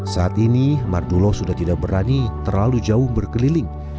saat ini mardulo sudah tidak berani terlalu jauh berkeliling